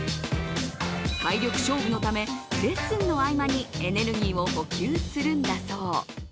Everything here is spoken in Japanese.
体力勝負のためレッスンの合間にエネルギーを補給するんだそう。